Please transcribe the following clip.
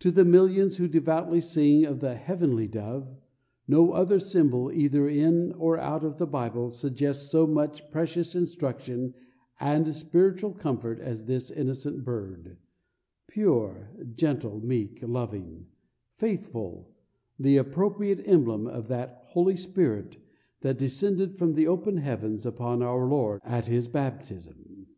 To the millions who devoutly sing of the "Heavenly Dove" no other symbol either in or out of the Bible suggests so much precious instruction and spiritual comfort as this innocent bird pure, gentle, meek, loving, faithful, the appropriate emblem of that "Holy Spirit" that descended from the open heavens upon our Lord at his baptism.